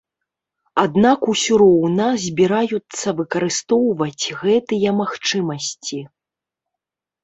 Аднак усё роўна збіраюцца выкарыстоўваць гэтыя магчымасці.